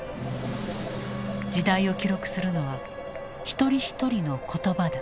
時代を記録するのは一人一人の言葉だ。